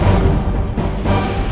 dari immortal rép spring